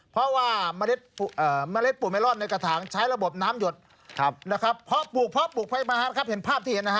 เพราะว่าเมล็ดปลูกเมลอนในกระถางใช้ระบบน้ำหยดนะครับเพราะปลูกเพราะปลูกไปมานะครับเห็นภาพที่เห็นนะฮะ